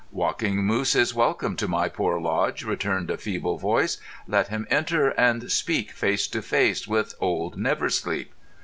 "Walking Moose is welcome to my poor lodge," returned a feeble voice. "Let him enter and speak face to face with old Never Sleep."